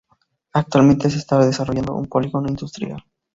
Actualmente se está desarrollando un polígono industrial.